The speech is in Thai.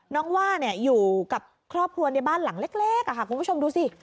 น้องว่าเนี่ยอยู่กับครอบครัวในบ้านหลังเล็กเล็กอะค่ะคุณผู้ชมดูสิ